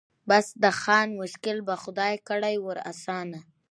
بس د خان مشکل به خدای کړي ور آسانه